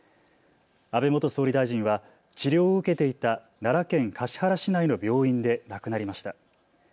安倍元総理大臣は治療を受けていた奈良県橿原市内の病院で亡くなりました。